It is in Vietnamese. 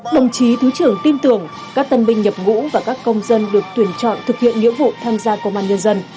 đồng chí thứ trưởng tin tưởng các tân binh nhập ngũ và các công dân được tuyển chọn thực hiện nghĩa vụ tham gia công an nhân dân